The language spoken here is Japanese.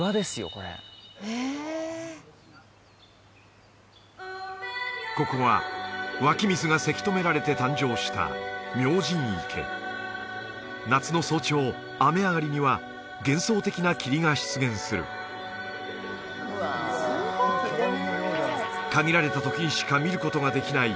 これここは湧き水がせき止められて誕生した明神池夏の早朝雨上がりには幻想的な霧が出現する限られた時にしか見ることができない